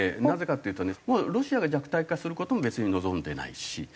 なぜかというとねロシアが弱体化する事も別に望んでないし。